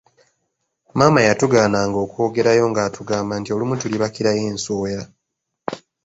Maama yatugaananga okwogererayo nga atugamba nti olumu tulibakirayo enswera.